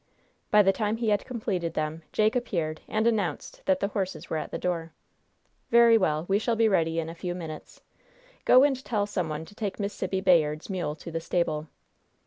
By the time he had completed them, Jake appeared and announced that the horses were at the door. "Very well. We shall be ready in a few minutes. Go and tell some one to take Miss Sibby Bayard's mule to the stable."